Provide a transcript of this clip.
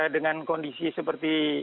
dengan kondisi seperti